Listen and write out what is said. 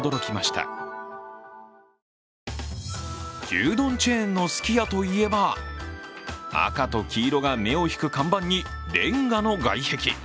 牛丼チェーンのすき家といえば、赤と黄色が目を引く看板にれんがの外壁。